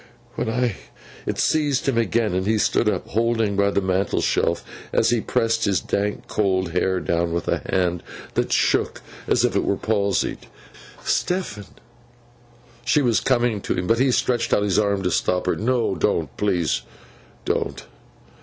When I—' It seized him again; and he stood up, holding by the mantel shelf, as he pressed his dank cold hair down with a hand that shook as if it were palsied. 'Stephen!' She was coming to him, but he stretched out his arm to stop her. 'No! Don't, please; don't.